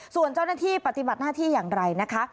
ส่วนเจ้าหน้าที่ปฏิบัติหน้าที่อย่างไรนะคะ